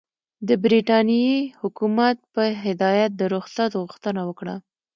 د برټانیې حکومت په هدایت د رخصت غوښتنه وکړه.